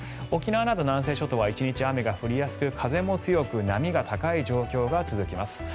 沖縄など南西諸島は１日雨が降りやすく、風も強く波が高い状況が続きます。